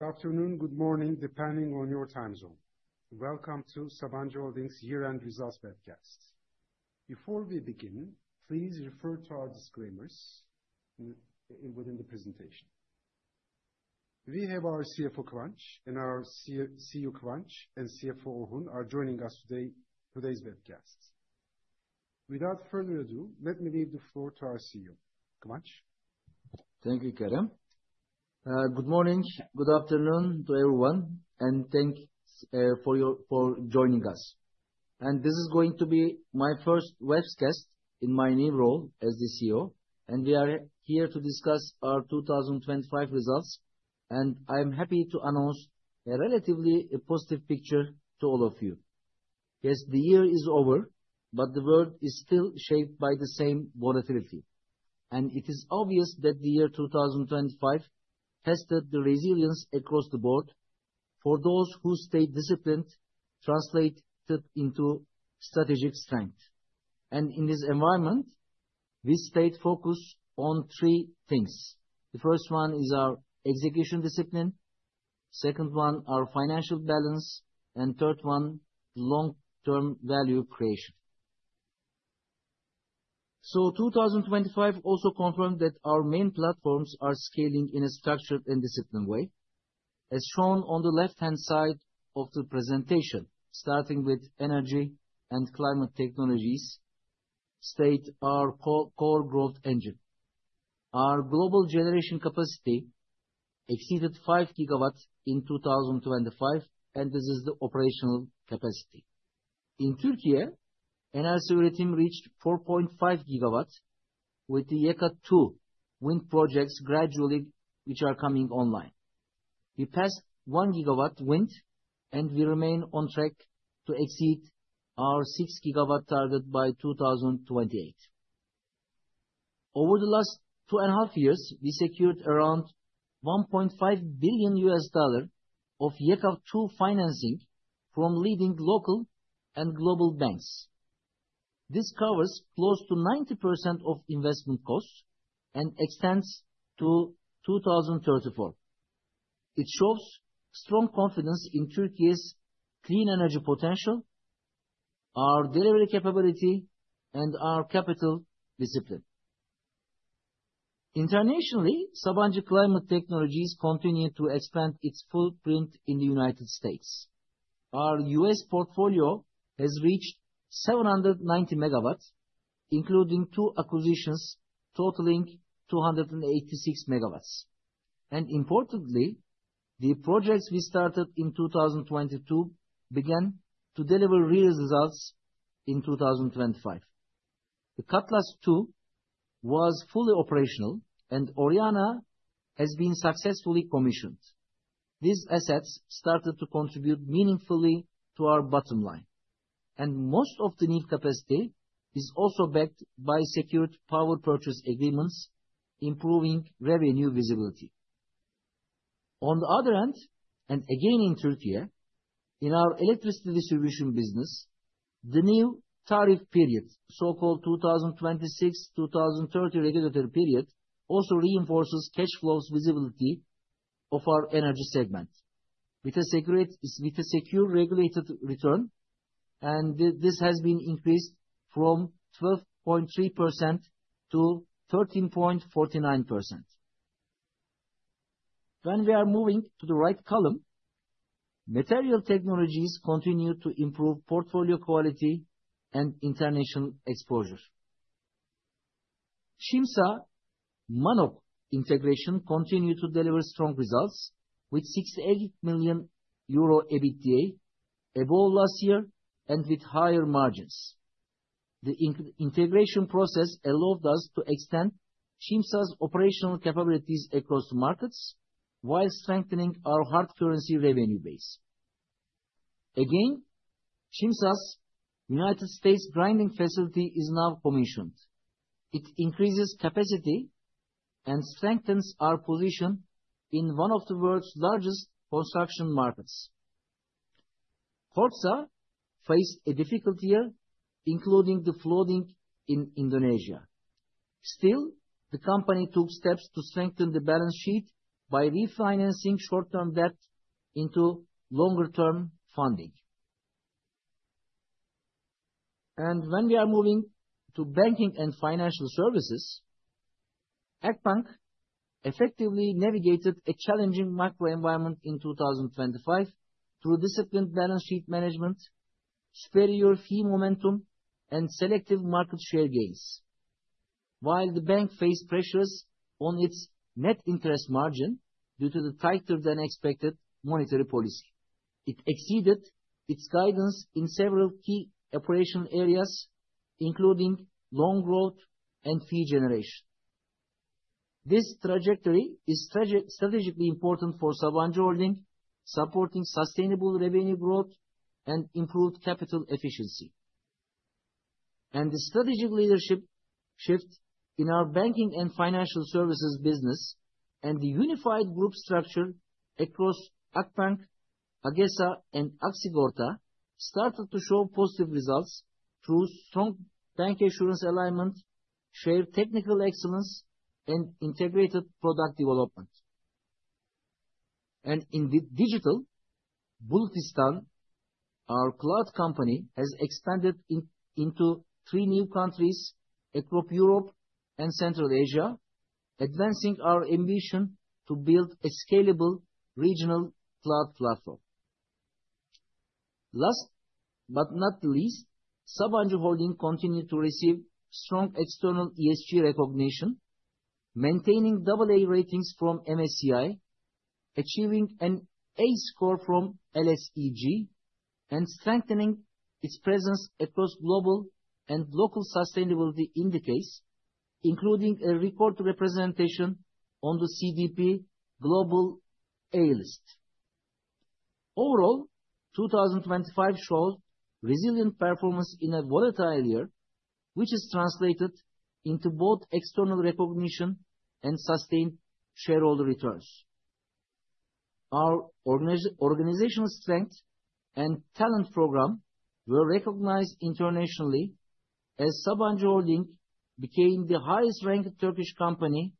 Good afternoon, good morning, depending on your time zone. Welcome to Sabancı Holding's year-end results webcast. Before we begin, please refer to our disclaimers within the presentation. We have our CFO Kıvanç, and our CEO Kıvanç and CFO Orhun are joining us today's webcast. Without further ado, let me leave the floor to our CEO. Kıvanç? Thank you, Kerem. Good morning, good afternoon to everyone, and thanks for joining us. This is going to be my 1st webcast in my new role as the CEO. We are here to discuss our 2025 results. I'm happy to announce a relatively positive picture to all of you. Yes, the year is over, but the world is still shaped by the same volatility. It is obvious that the year 2025 tested the resilience across the board for those who stayed disciplined, translated into strategic strength. In this environment, we stayed focused on 3 things. The 1st one is our execution discipline, 2nd one our financial balance, and 3rd one long-term value creation. 2025 also confirmed that our main platforms are scaling in a structured and disciplined way. As shown on the left-hand side of the presentation, starting with energy and climate technologies stayed our co-core growth engine. Our global generation capacity exceeded 5 gigawatts in 2025, and this is the operational capacity. In Turkey, Enerjisa Üretim reached 4.5 gigawatts with the YEKA-2 wind projects gradually, which are coming online. We passed 1 gigawatt wind, and we remain on track to exceed our 6-gigawatt target by 2028. Over the last 2.5 years, we secured around $1.5 billion of YEKA-2 financing from leading local and global banks. This covers close to 90% of investment costs and extends to 2034. It shows strong confidence in Turkey's clean energy potential, our delivery capability, and our capital discipline. Internationally, Sabancı Climate Technologies continued to expand its footprint in the United States. Our U.S. portfolio has reached 790 megawatts, including 2 acquisitions totaling 286 megawatts. Importantly, the projects we started in 2022 began to deliver real results in 2025. The Cutlass II was fully operational, and Oriana has been successfully commissioned. These assets started to contribute meaningfully to our bottom line. Most of the new capacity is also backed by secured power purchase agreements, improving revenue visibility. On the other hand, and again in Turkey, in our electricity distribution business, the new tariff period, so-called 2026-2030 regulatory period, also reinforces cash flows visibility of our energy segment with a secure regulated return, and this has been increased from 12.3% to 13.49%. When we are moving to the right column, material technologies continue to improve portfolio quality and international exposure. Çimsa, Mannok integration continued to deliver strong results with 68 million euro EBITDA, above last year and with higher margins. The in-integration process allowed us to extend Çimsa's operational capabilities across markets while strengthening our hard currency revenue base. Çimsa's United States grinding facility is now commissioned. It increases capacity and strengthens our position in one of the world's largest construction markets. Kordsa faced a difficult year, including the flooding in Indonesia. The company took steps to strengthen the balance sheet by refinancing short-term debt into longer-term funding. When we are moving to banking and financial services, Akbank effectively navigated a challenging macro environment in 2025 through disciplined balance sheet management, superior fee momentum, and selective market share gains. While the bank faced pressures on its net interest margin due to the tighter-than-expected monetary policy, it exceeded its guidance in several key operational areas, including loan growth and fee generation. This trajectory is strategically important for Sabancı Holding, supporting sustainable revenue growth and improved capital efficiency. The strategic leadership shift in our banking and financial services business and the unified group structure across Akbank-AgeSA and Aksigorta started to show positive results through strong bancassurance alignment, shared technical excellence, and integrated product development. In the digital, Bulutistan, our cloud company, has expanded into 3 new countries across Europe and Central Asia, advancing our ambition to build a scalable regional cloud platform. Last but not least, Sabancı Holding continued to receive strong external ESG recognition, maintaining AA ratings from MSCI, achieving an A score from LSEG, and strengthening its presence across global and local sustainability indices, including a record representation on the CDP Global A List. Overall, 2025 showed resilient performance in a volatile year, which is translated into both external recognition and sustained shareholder returns. Our organization strength and talent program were recognized internationally as Sabancı Holding became the highest-ranked Turkish company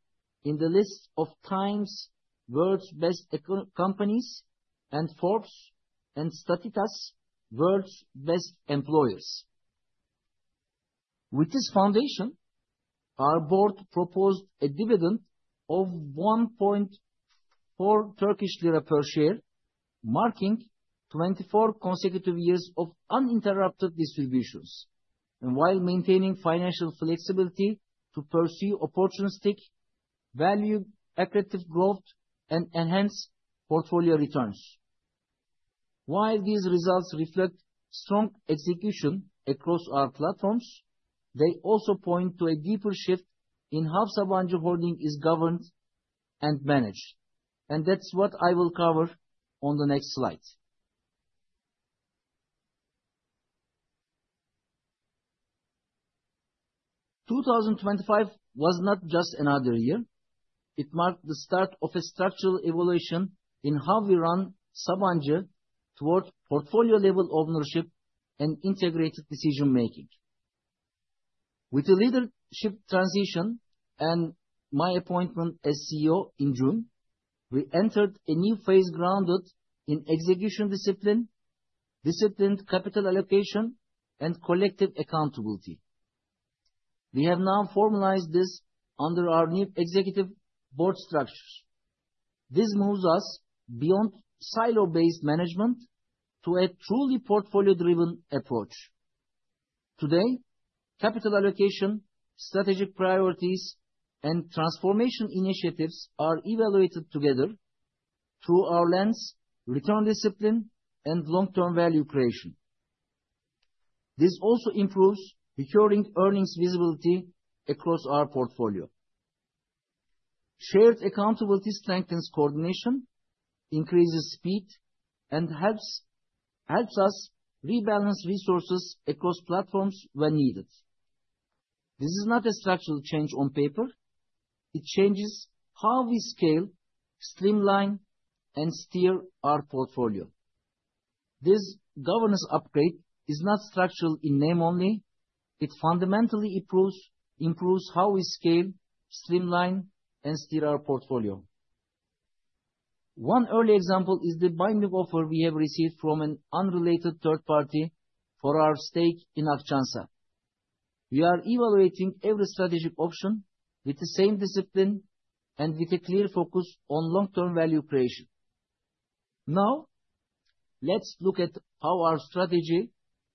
in the list of TIME's World's Best Eco-Companies and Forbes and Statista's World's Best Employers. With this foundation, our board proposed a dividend of 1.4 Turkish lira per share, marking 24 consecutive years of uninterrupted distributions, and while maintaining financial flexibility to pursue opportunistic value, accretive growth, and enhance portfolio returns. While these results reflect strong execution across our platforms, they also point to a deeper shift in how Sabancı Holding is governed and managed. That's what I will cover on the next slide. 2025 was not just another year. It marked the start of a structural evolution in how we run Sabancı towards portfolio-level ownership and integrated decision-making. With the leadership transition and my appointment as CEO in June, we entered a new phase grounded in execution discipline, disciplined capital allocation, and collective accountability. We have now formalized this under our new executive board structures. This moves us beyond silo-based management to a truly portfolio-driven approach. Today, capital allocation, strategic priorities, and transformation initiatives are evaluated together through our lens, return discipline, and long-term value creation. This also improves recurring earnings visibility across our portfolio. Shared accountability strengthens coordination, increases speed, and helps us rebalance resources across platforms when needed. This is not a structural change on paper. It changes how we scale, streamline, and steer our portfolio. This governance upgrade is not structural in name only. It fundamentally improves how we scale, streamline, and steer our portfolio. 1 early example is the binding offer we have received from an unrelated third party for our stake in Akçansa. We are evaluating every strategic option with the same discipline and with a clear focus on long-term value creation. Let's look at how our strategy,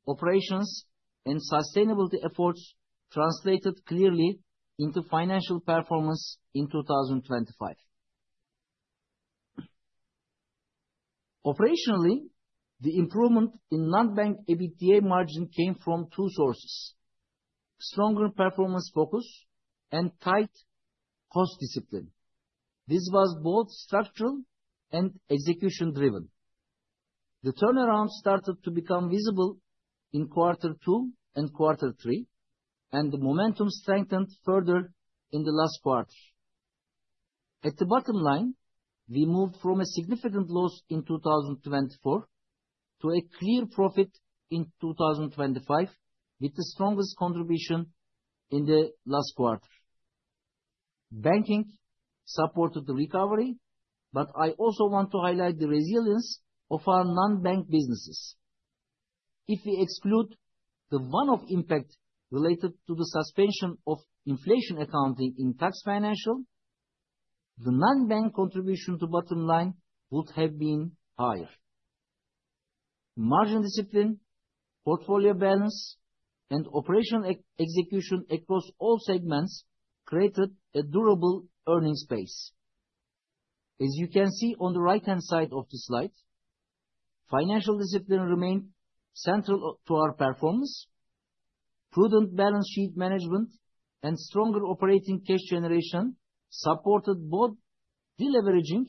operations, and sustainability efforts translated clearly into financial performance in 2025. Operationally, the improvement in non-bank EBITDA margin came from 2 sources: stronger performance focus and tight cost discipline. This was both structural and execution-driven. The turnaround started to become visible in Q2 and Q3. The momentum strengthened further in the last quarter. At the bottom line, we moved from a significant loss in 2024 to a clear profit in 2025, with the strongest contribution in the last quarter. Banking supported the recovery. I also want to highlight the resilience of our non-bank businesses. If we exclude the one-off impact related to the suspension of inflation accounting in tax financial, the non-bank contribution to bottom line would have been higher. Margin discipline, portfolio balance, and operational execution across all segments created a durable earning space. As you can see on the right-hand side of the slide, financial discipline remained central to our performance. Prudent balance sheet management and stronger operating cash generation supported both deleveraging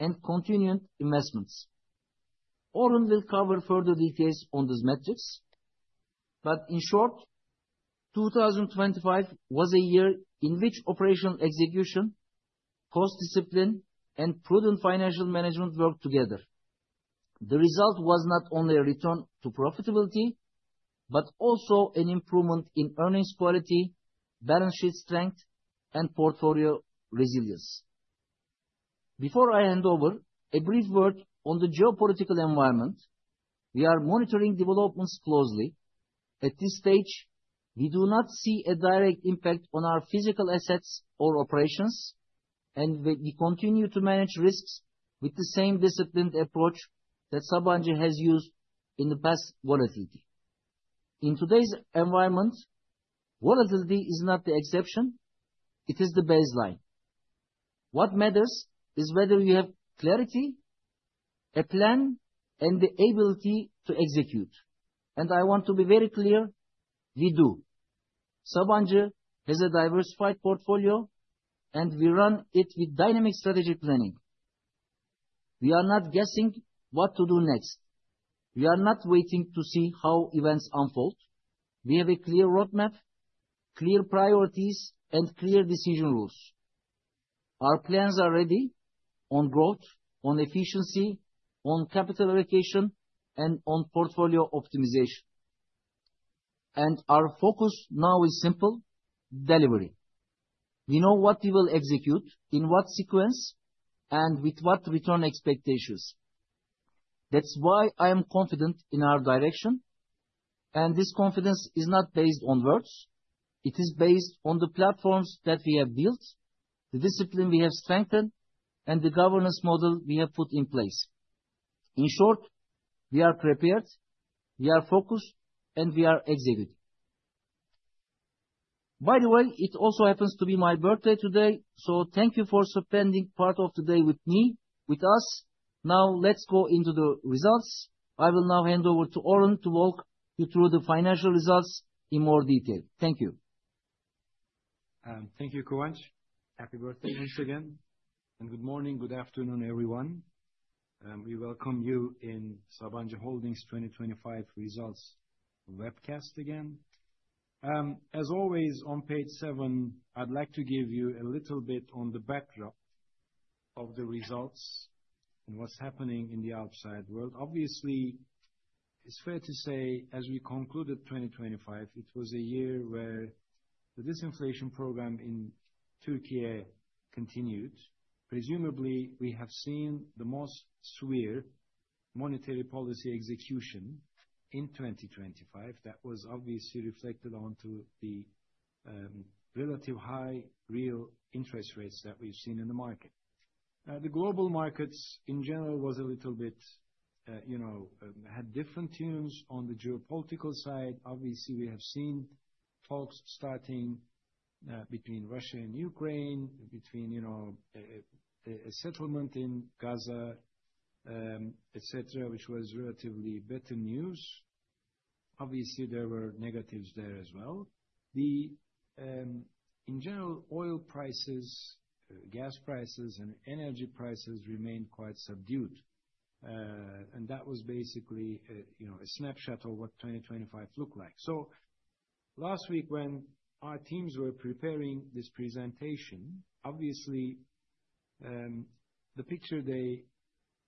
and continued investments. Orhun will cover further details on these metrics. In short, 2025 was a year in which operational execution, cost discipline, and prudent financial management worked together. The result was not only a return to profitability, but also an improvement in earnings quality, balance sheet strength, and portfolio resilience. Before I hand over, a brief word on the geopolitical environment. We are monitoring developments closely. At this stage, we do not see a direct impact on our physical assets or operations, and we continue to manage risks with the same disciplined approach that Sabancı has used in the past volatility. In today's environment, volatility is not the exception, it is the baseline. What matters is whether we have clarity, a plan, and the ability to execute. I want to be very clear, we do. Sabancı has a diversified portfolio, and we run it with dynamic strategy planning. We are not guessing what to do next. We are not waiting to see how events unfold. We have a clear roadmap, clear priorities, and clear decision rules. Our plans are ready on growth, on efficiency, on capital allocation, and on portfolio optimization. Our focus now is simple: delivery. We know what we will execute, in what sequence, and with what return expectations. That's why I am confident in our direction, and this confidence is not based on words. It is based on the platforms that we have built, the discipline we have strengthened, and the governance model we have put in place. In short, we are prepared, we are focused, and we are executing. By the way, it also happens to be my birthday today, so thank you for spending part of today with me, with us. Now let's go into the results. I will now hand over to Orhun to walk you through the financial results in more detail. Thank you. Thank you, Kıvanç. Happy birthday once again. Good morning, good afternoon, everyone. We welcome you in Sabancı Holding's 2025 results webcast again. As always, on page 7, I'd like to give you a little bit on the backdrop of the results and what's happening in the outside world. Obviously, it's fair to say, as we concluded 2025, it was a year where the disinflation program in Turkey continued. Presumably, we have seen the most severe monetary policy execution in 2025. That was obviously reflected onto the relative high real interest rates that we've seen in the market. The global markets in general was a little bit, you know, had different tunes on the geopolitical side. Obviously, we have seen talks starting between Russia and Ukraine, between, you know, a settlement in Gaza, et cetera, which was relatively better news. Obviously, there were negatives there as well. The in general, oil prices, gas prices, and energy prices remained quite subdued. That was basically a, you know, a snapshot of what 2025 looked like. Last week when our teams were preparing this presentation, obviously, the picture they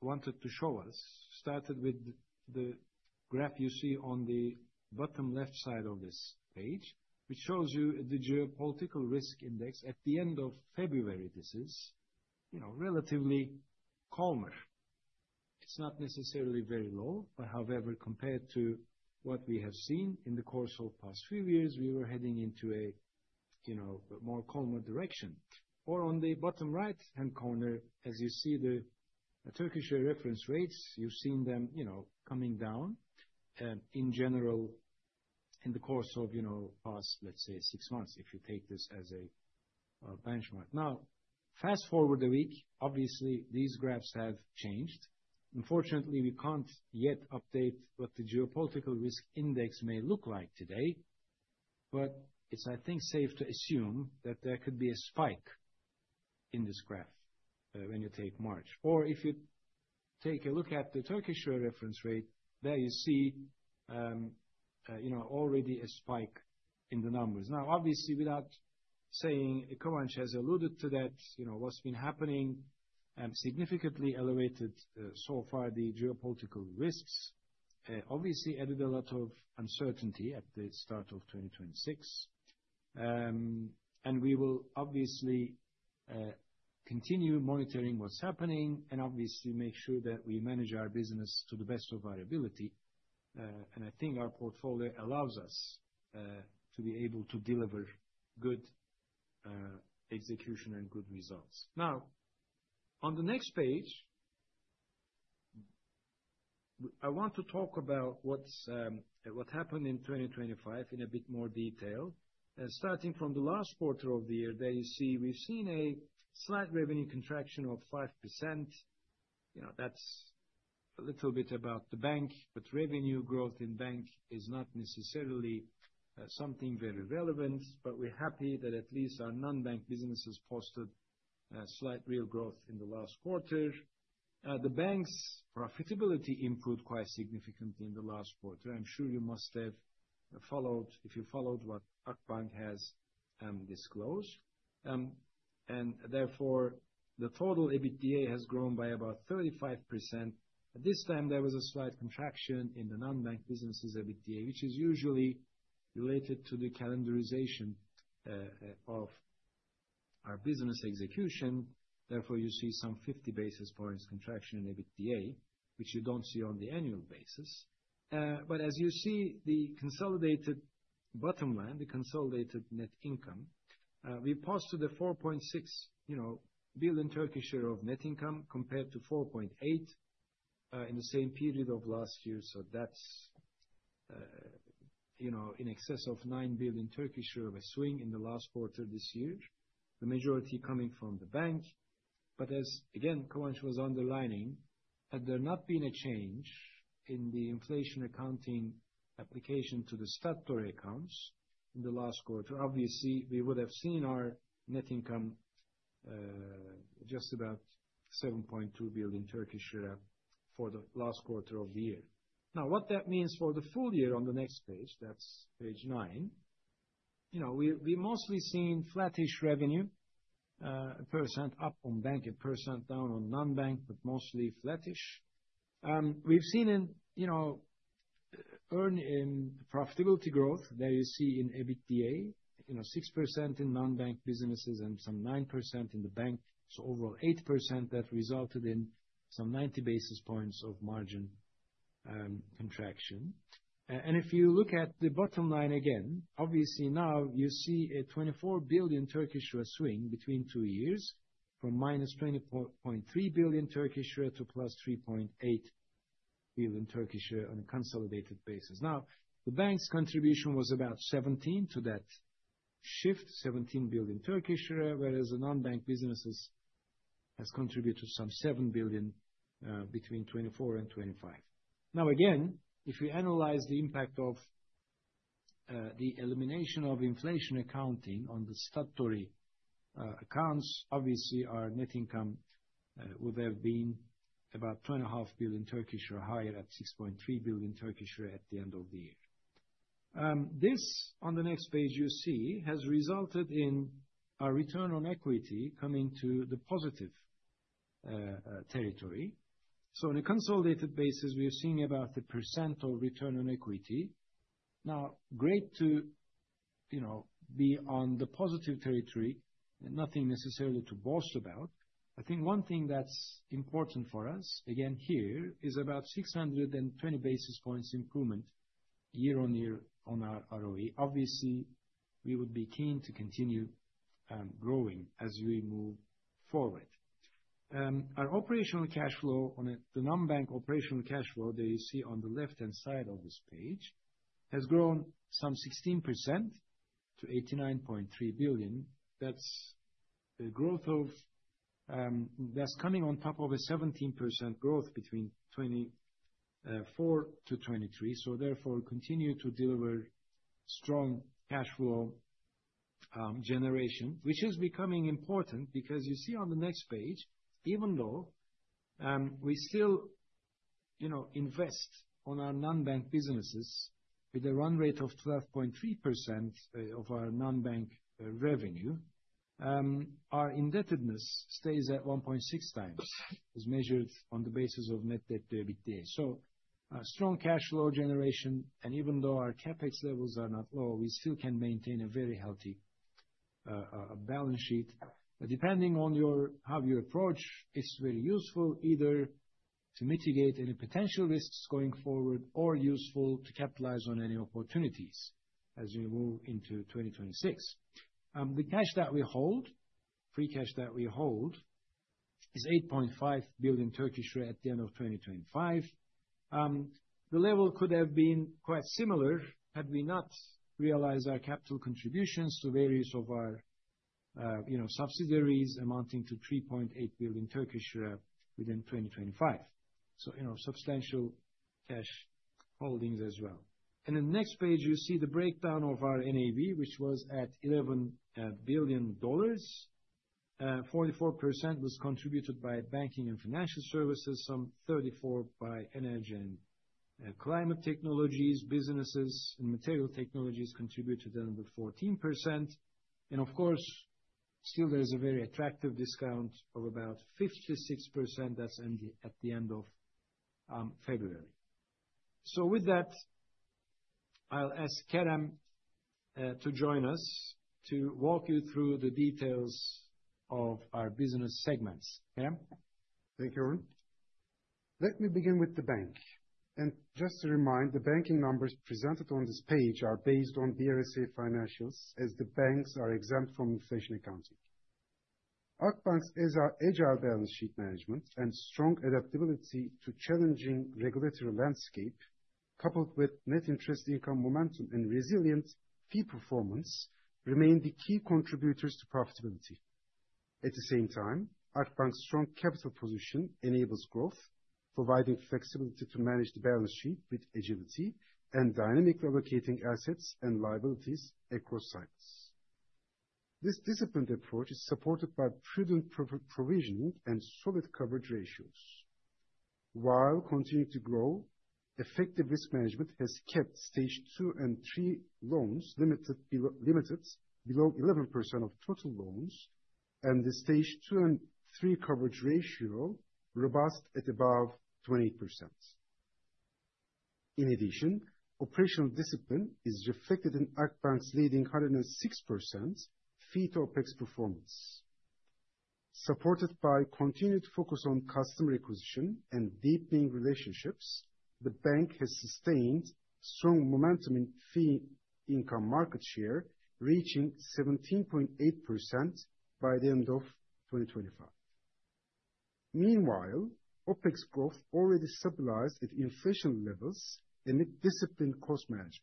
wanted to show us started with the graph you see on the bottom left side of this page, which shows you the Geopolitical Risk Index at the end of February. This is, you know, relatively calmer. It's not necessarily very low, but however, compared to what we have seen in the course of past few years, we were heading into a, you know, more calmer direction. On the bottom right-hand corner, as you see the Turkish reference rates, you've seen them, you know, coming down, in general in the course of, you know, past, let's say, 6 months, if you take this as a benchmark. Fast-forward a week, obviously these graphs have changed. Unfortunately, we can't yet update what the Geopolitical Risk Index may look like today. It's, I think, safe to assume that there could be a spike in this graph, when you take March. If you take a look at the Turkish reference rate, there you see, you know, already a spike in the numbers. Obviously, without saying, Kıvanç has alluded to that, you know, what's been happening, significantly elevated, so far the geopolitical risks. Obviously added a lot of uncertainty at the start of 2026. We will obviously continue monitoring what's happening and obviously make sure that we manage our business to the best of our ability. I think our portfolio allows us to be able to deliver good execution and good results. Now, on the next page, I want to talk about what's what happened in 2025 in a bit more detail. Starting from the last quarter of the year, there you see we've seen a slight revenue contraction of 5%. You know, that's a little bit about the bank, revenue growth in bank is not necessarily something very relevant, we're happy that at least our non-bank businesses posted a slight real growth in the last quarter. The bank's profitability improved quite significantly in the last quarter. I'm sure you must have followed, if you followed what Akbank has disclosed. The total EBITDA has grown by about 35%. At this time, there was a slight contraction in the non-bank businesses EBITDA, which is usually related to the calendarization of our business execution. Therefore, you see some 50 basis points contraction in EBITDA, which you don't see on the annual basis. As you see, the consolidated bottom line, the consolidated net income, we posted a 4.6, you know, billion of net income compared to 4.8 billion in the same period of last year. That's, you know, in excess of TRY 9 billion of a swing in the last quarter this year, the majority coming from the bank. As again, Kıvanç was underlining, had there not been a change in the inflation accounting application to the statutory accounts in the last quarter, obviously we would have seen our net income, just about 7.2 billion Turkish lira for the last quarter of the year. What that means for the full year on the next page, that's page 9. You know, we mostly seen flattish revenue, 1% up on bank, 1% down on non-bank, but mostly flattish. We've seen in, you know, earn in profitability growth there you see in EBITDA, you know, 6% in non-bank businesses and some 9% in the bank. Overall 8% that resulted in some 90 basis points of margin contraction. If you look at the bottom line again, obviously now you see a 24 billion swing between 2 years from -24.3 billion to +3.8 billion on a consolidated basis. The bank's contribution was about 17 to that shift, 17 billion, whereas the non-bank businesses has contributed some 7 billion between 2024 and 2025. Again, if we analyze the impact of the elimination of inflation accounting on the statutory accounts, obviously our net income would have been about 2.5 billion higher at 6.3 billion at the end of the year. This, on the next page you see, has resulted in our return on equity coming to the positive territory. On a consolidated basis, we are seeing about 1% of return on equity. Now, great to, you know, be on the positive territory. Nothing necessarily to boast about. I think 1 thing that's important for us, again here, is about 620 basis points improvement year-over-year on our ROE. Obviously, we would be keen to continue growing as we move forward. Our operational cash flow, the non-bank operational cash flow that you see on the left-hand side of this page, has grown some 16% to 89.3 billion. That's a growth of that's coming on top of a 17% growth between 2024 to 2023. Therefore continue to deliver strong cash flow generation, which is becoming important because you see on the next page, even though we still, you know, invest on our non-bank businesses with a run rate of 12.3% of our non-bank revenue, our indebtedness stays at 1.6 times as measured on the basis of net debt to EBITDA. Strong cash flow generation, and even though our CapEx levels are not low, we still can maintain a very healthy balance sheet. Depending on how you approach, it's very useful either to mitigate any potential risks going forward or useful to capitalize on any opportunities as we move into 2026. The cash that we hold, free cash that we hold is 8.5 billion at the end of 2025. The level could have been quite similar had we not realized our capital contributions to various of our, you know, subsidiaries amounting to 3.8 billion within 2025. You know, substantial cash holdings as well. The next page you see the breakdown of our NAV which was at $11 billion. 44% was contributed by banking and financial services, some 34% by energy and climate technologies businesses, and material technologies contributed under 14%. Of course, still there is a very attractive discount of about 56%. That's in the, at the end of February. With that, I'll ask Kerem to join us to walk you through the details of our business segments. Kerem? Thank you, Orhun. Let me begin with the bank. Just to remind, the banking numbers presented on this page are based on BRSA financials as the banks are exempt from inflation accounting. Akbank's agile balance sheet management and strong adaptability to challenging regulatory landscape coupled with net interest income momentum and resilient fee performance remain the key contributors to profitability. At the same time, Akbank's strong capital position enables growth, providing flexibility to manage the balance sheet with agility and dynamically allocating assets and liabilities across cycles. This disciplined approach is supported by prudent pro-provisioning and solid coverage ratios. While continuing to grow, effective risk management has kept Stage 2 and 3 loans limited below 11% of total loans, and the Stage 2 and 3 coverage ratio robust at above 20%. Operational discipline is reflected in Akbank's leading 106% fee-to-OpEx performance. Supported by continued focus on customer acquisition and deepening relationships, the bank has sustained strong momentum in fee income market share, reaching 17.8% by the end of 2025. OpEx growth already stabilized at inflation levels amid disciplined cost management.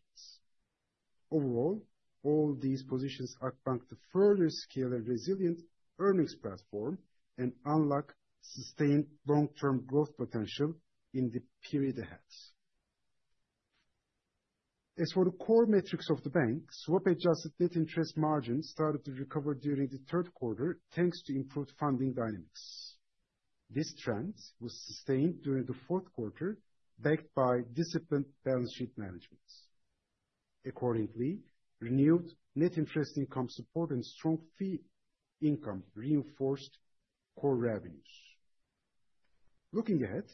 All these positions help bank to further scale a resilient earnings platform and unlock sustained long-term growth potential in the period ahead. As for the core metrics of the bank, swap-adjusted net interest margin started to recover during the Q3, thanks to improved funding dynamics. This trend was sustained during the Q4, backed by disciplined balance sheet management. Renewed net interest income support and strong fee income reinforced core revenues. Looking ahead,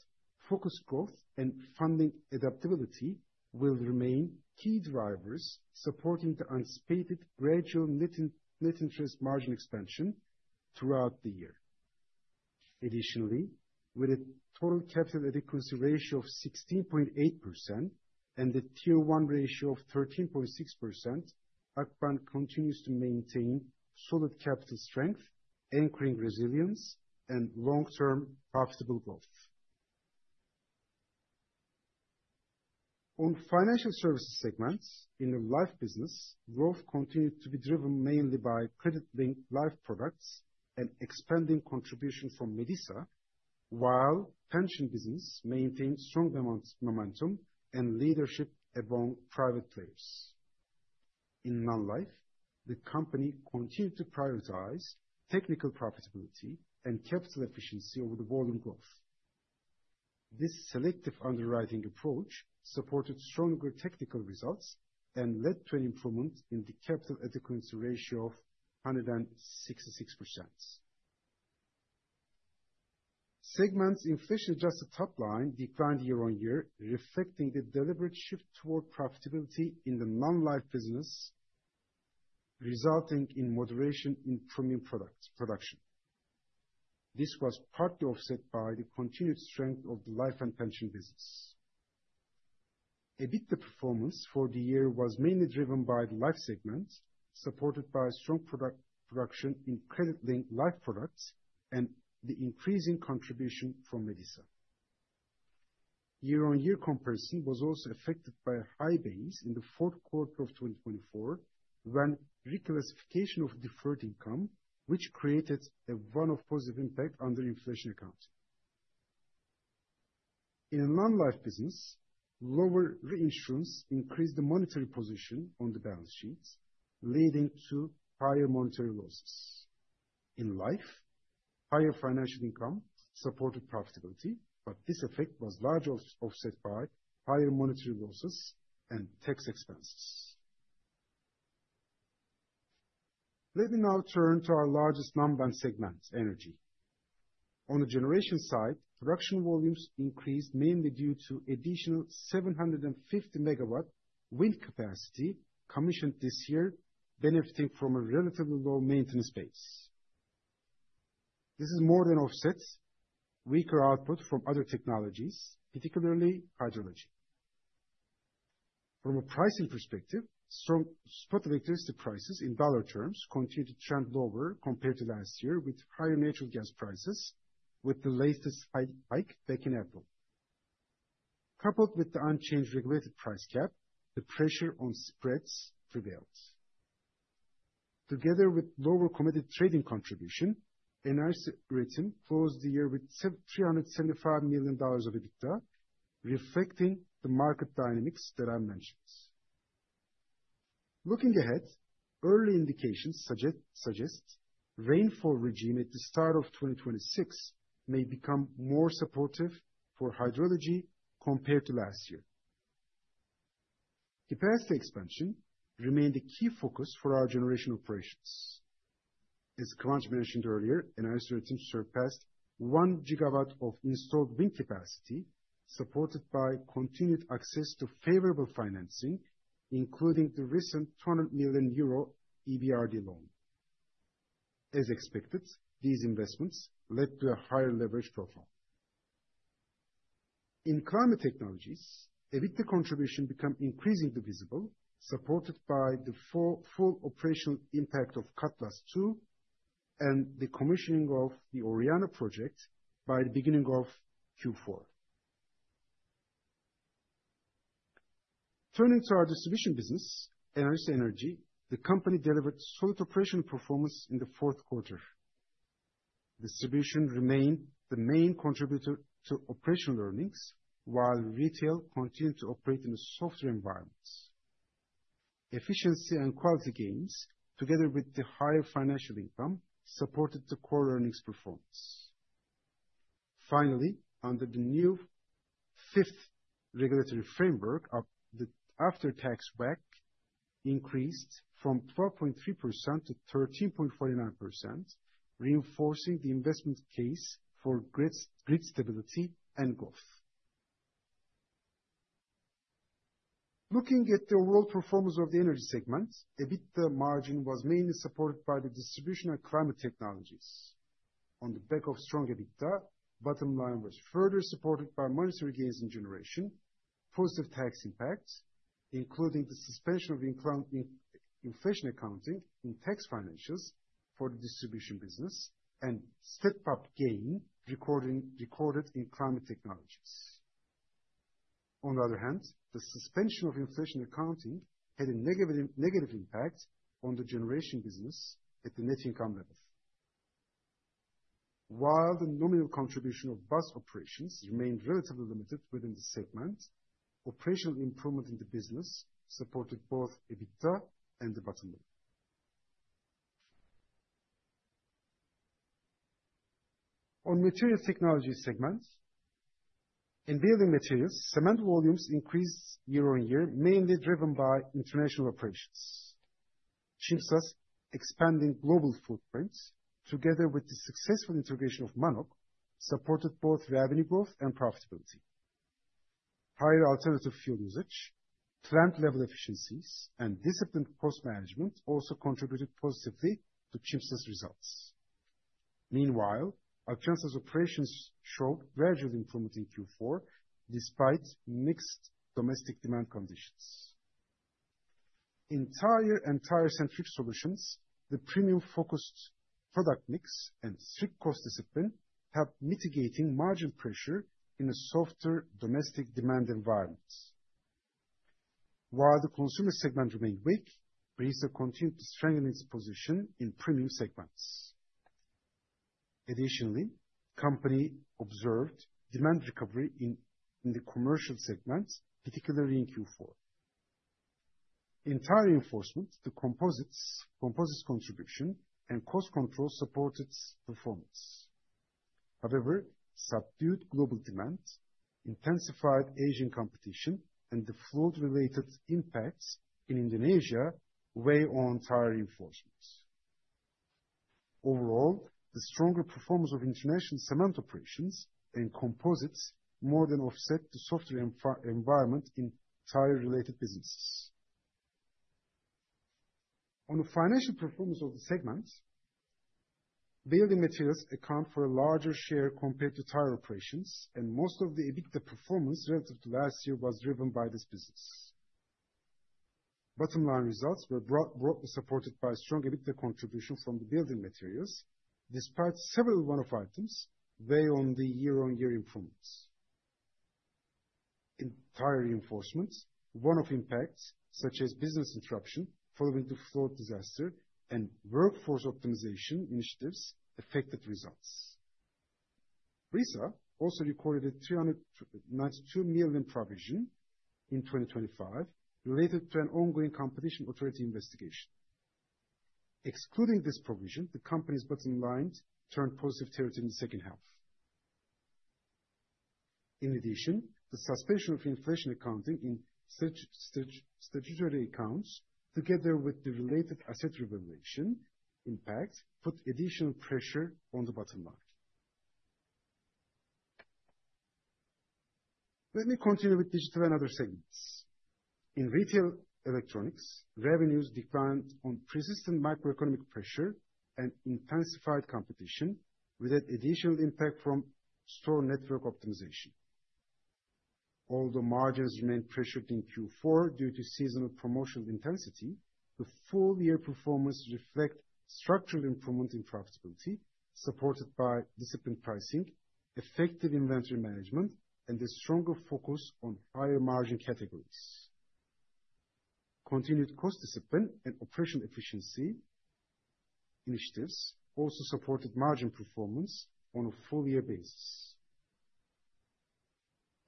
focused growth and funding adaptability will remain key drivers, supporting the anticipated gradual net interest margin expansion throughout the year. Additionally, with a total capital adequacy ratio of 16.8% and a Tier 1 ratio of 13.6%, Akbank continues to maintain solid capital strength, anchoring resilience and long-term profitable growth. On financial services segments in the life business, growth continued to be driven mainly by credit-linked life products and expanding contribution from Medisa, while pension business maintained strong momentum and leadership among private players. In non-life, the company continued to prioritize technical profitability and capital efficiency over the volume growth. This selective underwriting approach supported stronger technical results and led to an improvement in the capital adequacy ratio of 166%. Segment's inflation-adjusted top line declined year-on-year, reflecting the deliberate shift toward profitability in the non-life business, resulting in moderation in premium product-production. This was partly offset by the continued strength of the life and pension business. EBITDA performance for the year was mainly driven by the life segment, supported by strong product-production in credit-linked life products and the increasing contribution from Medisa. Year-on-year comparison was also affected by a high base in the Q4 of 2024, when reclassification of deferred income, which created a one-off positive impact under inflation accounting. In the non-life business, lower reinsurance increased the monetary position on the balance sheet, leading to higher monetary losses. In life, higher financial income supported profitability, but this effect was largely offset by higher monetary losses and tax expenses. Let me now turn to our largest non-bank segment, energy. On the generation side, production volumes increased mainly due to additional 750 MW wind capacity commissioned this year, benefiting from a relatively low maintenance base. This has more than offset weaker output from other technologies, particularly hydrology. From a pricing perspective, strong spot electricity prices in dollar terms continued to trend lower compared to last year, with higher natural gas prices, with the latest hike back in April. Coupled with the unchanged regulated price cap, the pressure on spreads prevails. Together with lower committed trading contribution, Enerjisa Enerji closed the year with $375 million of EBITDA, reflecting the market dynamics that I mentioned. Looking ahead, early indications suggests rainfall regime at the start of 2026 may become more supportive for hydrology compared to last year. Capacity expansion remained a key focus for our generation operations. As Kıvanç mentioned earlier, Enerjisa surpassed 1 gigawatt of installed wind capacity, supported by continued access to favorable financing, including the recent 200 million euro EBRD loan. As expected, these investments led to a higher leverage profile. In climate technologies, EBITDA contribution became increasingly visible, supported by the full operational impact of Cutlass II and the commissioning of the Oriana Project by the beginning of Q4. Turning to our distribution business, Enerjisa Enerji, the company delivered solid operational performance in the Q4. Distribution remained the main contributor to operational earnings, while retail continued to operate in a softer environment. Efficiency and quality gains, together with the higher financial income, supported the core earnings performance. Finally, under the new 5th regulatory framework, the after-tax WACC increased from 12.3% to 13.49%, reinforcing the investment case for grid stability and growth. Looking at the overall performance of the energy segment, EBITDA margin was mainly supported by the distribution of climate technologies. On the back of strong EBITDA, bottom line was further supported by monetary gains in generation, positive tax impacts, including the suspension of inflation accounting in tax financials for the distribution business, and step-up gain recording, recorded in climate technologies. The suspension of inflation accounting had a negative impact on the generation business at the net income level. The nominal contribution of bus operations remained relatively limited within the segment, operational improvement in the business supported both EBITDA and the bottom line. Material Technology segment, in building materials, cement volumes increased year-on-year, mainly driven by international operations. Çimsa expanding global footprints, together with the successful integration of Mannok, supported both revenue growth and profitability. Higher alternative fuel usage, plant level efficiencies, and disciplined cost management also contributed positively to Çimsa's results. Meanwhile, our transit operations showed gradual improvement in Q4 despite mixed domestic demand conditions. In tire and tire centric solutions, the premium-focused product mix and strict cost discipline help mitigating margin pressure in a softer domestic demand environment. While the consumer segment remained weak, Bridgestone continued to strengthen its position in premium segments. Additionally, company observed demand recovery in the commercial segments, particularly in Q4. Tire reinforcement to composites contribution and cost control supported performance. However, subdued global demand intensified Asian competition, and the flood-related impacts in Indonesia weigh on tire reinforcement. Overall, the stronger performance of international cement operations and composites more than offset the softer environment in tire-related businesses. On the financial performance of the segment, building materials account for a larger share compared to tire operations, and most of the EBITDA performance relative to last year was driven by this business. Bottom line results were broadly supported by strong EBITDA contribution from the building materials, despite several one-off items weigh on the year-on-year improvements. In tire reinforcement, one-off impacts such as business interruption following the flood disaster and workforce optimization initiatives affected results. Brisa also recorded a 392 million provision in 2025 related to an ongoing competition authority investigation. Excluding this provision, the company's bottom lines turned positive territory in the H2. The suspension of inflation accounting in statutory accounts, together with the related asset revelation impact, put additional pressure on the bottom line. Let me continue with digital and other segments. In retail electronics, revenues declined on persistent macroeconomic pressure and intensified competition, with an additional impact from store network optimization. Although margins remained pressured in Q4 due to seasonal promotional intensity, the full-year performance reflect structural improvement in profitability supported by disciplined pricing, effective inventory management, and a stronger focus on higher margin categories. Continued cost discipline and operational efficiency initiatives also supported margin performance on a full-year basis.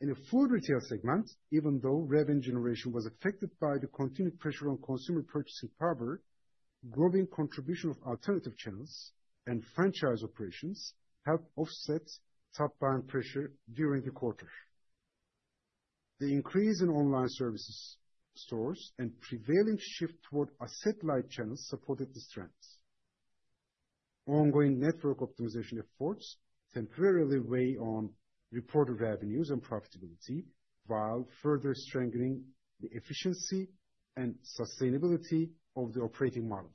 In the food retail segment, even though revenue generation was affected by the continued pressure on consumer purchasing power, growing contribution of alternative channels and franchise operations helped offset top line pressure during the quarter. The increase in online services stores and prevailing shift toward asset-light channels supported the strengths. Ongoing network optimization efforts temporarily weigh on reported revenues and profitability, while further strengthening the efficiency and sustainability of the operating model.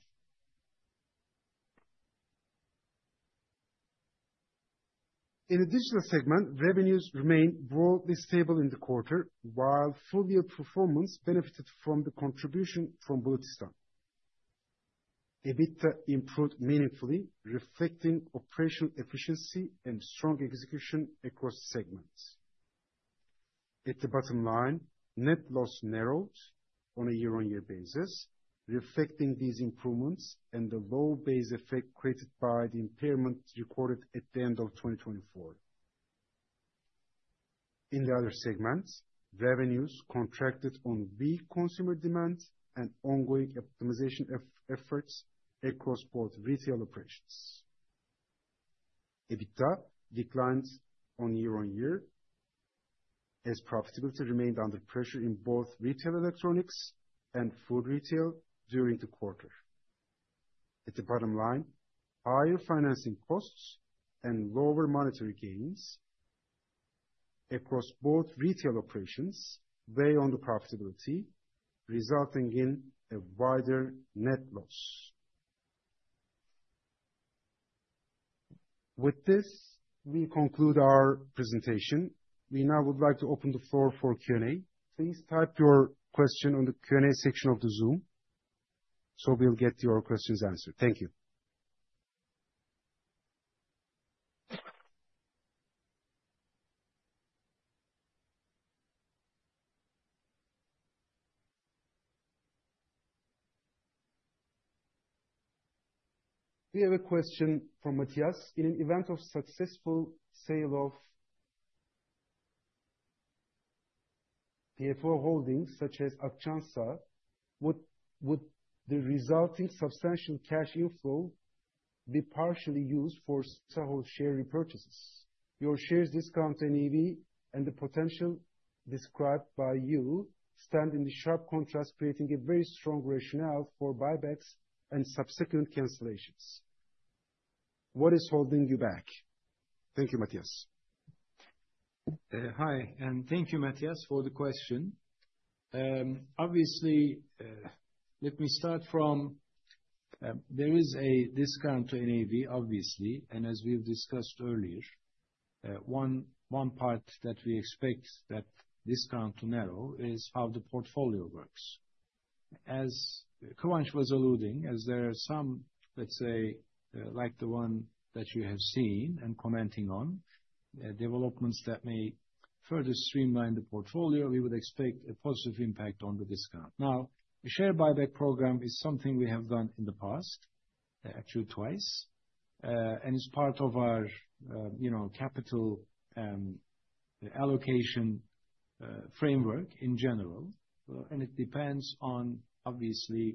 In the digital segment, revenues remained broadly stable in the quarter, while full-year performance benefited from the contribution from Bulutistan. EBITDA improved meaningfully reflecting operational efficiency and strong execution across segments. At the bottom line, net loss narrowed on a year-on-year basis, reflecting these improvements and the low base effect created by the impairment recorded at the end of 2024. In the other segments, revenues contracted on weak consumer demand and ongoing optimization efforts across both retail operations. EBITDA declined on year-on-year as profitability remained under pressure in both retail electronics and food retail during the quarter. At the bottom line, higher financing costs and lower monetary gains across both retail operations weigh on the profitability, resulting in a wider net loss. With this, we conclude our presentation. We now would like to open the floor for Q&A. Please type your question on the Q&A section of the Zoom, so we'll get your questions answered. Thank you. We have a question from Matias. In an event of successful sale of CFO holdings such as Akçansa, would the resulting substantial cash inflow be partially used for SAHOL share repurchases? Your shares discount in EV and the potential described by you stand in the sharp contrast, creating a very strong rationale for buybacks and subsequent cancellations. What is holding you back? Thank you, Matias. Hi, and thank you, Matias, for the question. Obviously, let me start from, there is a discount to NAV, obviously. And as we've discussed earlier, 1 part that we expect that discount to narrow is how the portfolio works. As Kıvanç was alluding, as there are some, let's say, like the one that you have seen and commenting on, developments that may further streamline the portfolio, we would expect a positive impact on the discount. A share buyback program is something we have done in the past, actually twice. And it's part of our, you know, capital allocation framework in general. And it depends on obviously,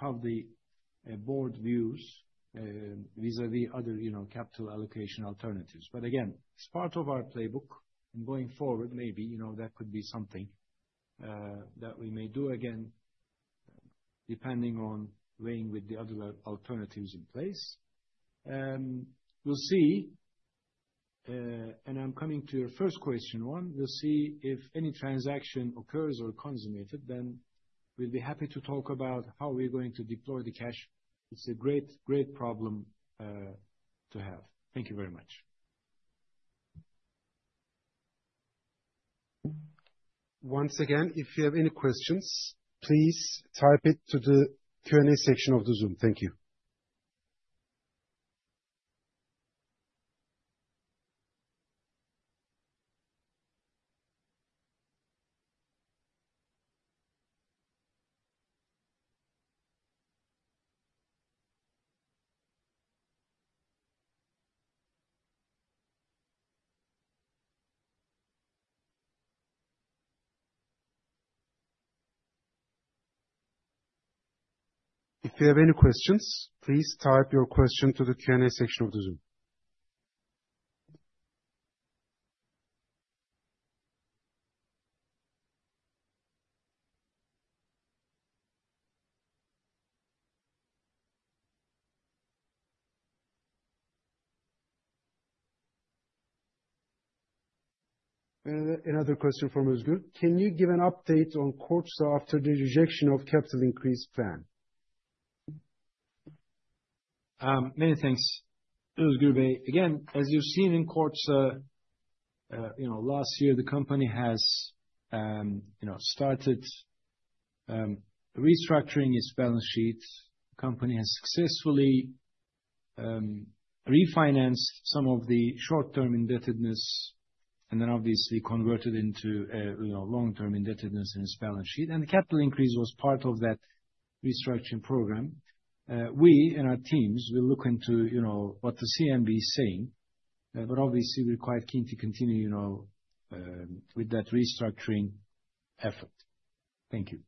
how the board views vis-a-vis other, you know, capital allocation alternatives. Again, it's part of our playbook, and going forward, maybe, you know, that could be something that we may do again, depending on weighing with the other alternatives in place. We'll see. I'm coming to your 1st question one. We'll see if any transaction occurs or consummated, then we'll be happy to talk about how we're going to deploy the cash. It's a great problem to have. Thank you very much. Once again, if you have any questions, please type it to the Q&A section of the Zoom. Thank you. If you have any questions, please type your question to the Q&A section of the Zoom. Another question from Özgür. Can you give an update on Kordsa after the rejection of capital increase plan? Many thanks, Özgür. Again, as you've seen in Kordsa, you know, last year, the company has, you know, started restructuring its balance sheet. Company has successfully refinanced some of the short-term indebtedness, and then obviously converted into, you know, long-term indebtedness in its balance sheet. The capital increase was part of that restructuring program. We and our teams will look into, you know, what the CMB is saying. Obviously, we're quite keen to continue, you know, with that restructuring effort. Thank you.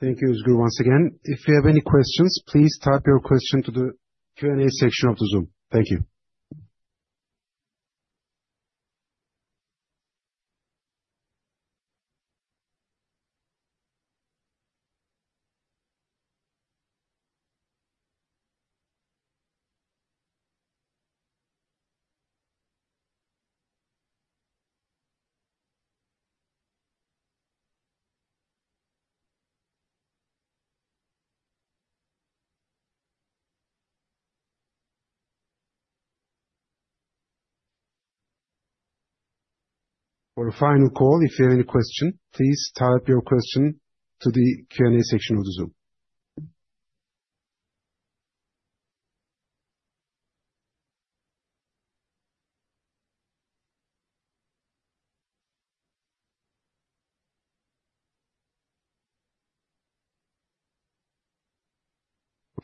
Thank you, Özgür, once again. If you have any questions, please type your question to the Q&A section of the Zoom. Thank you. For a final call, if you have any question, please type your question to the Q&A section of the Zoom.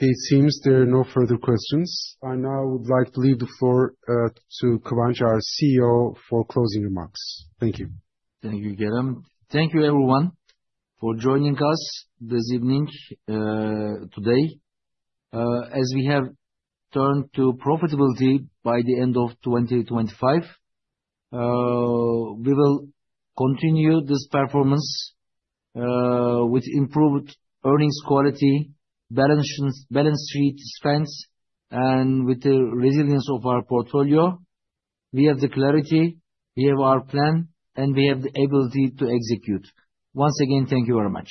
Okay, it seems there are no further questions. I now would like to leave the floor to Kıvanç, our CEO, for closing remarks. Thank you. Thank you, Kerem. Thank you everyone for joining us this evening, today. As we have turned to profitability by the end of 2025, we will continue this performance, with improved earnings quality, balance sheet strength, and with the resilience of our portfolio. We have the clarity, we have our plan, and we have the ability to execute. Once again, thank you very much.